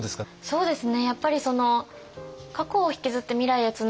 そうですね。